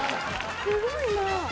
すごいなぁ。